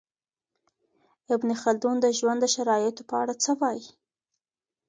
ابن خلدون د ژوند د شرایطو په اړه څه وايي؟